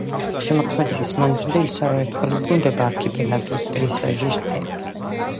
შემოქმედების მანძილზე ის არა ერთხელ უბრუნდება არქიპელაგის პეიზაჟის თემას.